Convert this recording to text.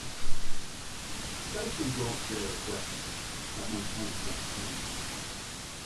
Satan grants their request but maintains the upper hand.